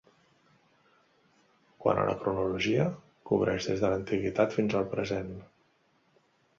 Quant a la cronologia, cobreix des de l'antiguitat fins al present.